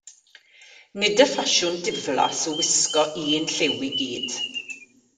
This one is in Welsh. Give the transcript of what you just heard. Nid y ffasiwn diflas o wisgo un lliw i gyd.